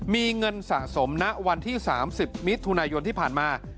มีเงินสะสมณวันที่๓๐มิถุนายนที่ผ่านมา